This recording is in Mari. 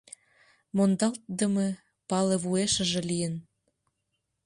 Мондалтдыме пале вуешыже лийын.